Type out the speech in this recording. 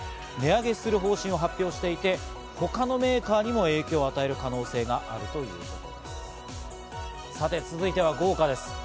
値上げする方針を発表していて、他のメーカーにも影響を与える可能性があるということです。